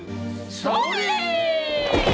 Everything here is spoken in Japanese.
それ！